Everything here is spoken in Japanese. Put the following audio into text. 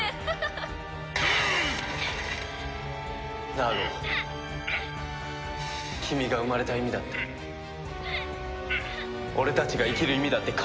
ナーゴ君が生まれた意味だって俺たちが生きる意味だって必ずあるはずだ！